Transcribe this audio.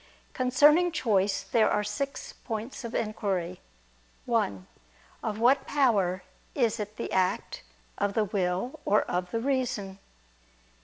Concerning choice there are six points of inquiry: (1) Of what power is it the act; of the will or of the reason?